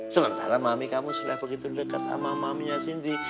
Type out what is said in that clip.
sementara mami kamu sudah begitu dekat sama maminya sendiri